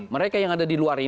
mereka yang ada di luar ini